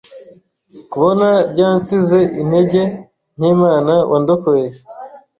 Kubona byansize intege nke mana wandokoye